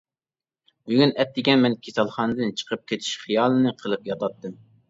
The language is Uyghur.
بۈگۈن ئەتىگەن مەن كېسەلخانىدىن چىقىپ كېتىش خىيالىنى قىلىپ ياتاتتىم.